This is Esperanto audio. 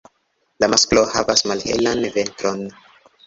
La masklo havas malhelan ventron.